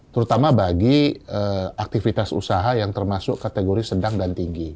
terutama bagi aktivitas usaha yang termasuk kategori sedang dan tinggi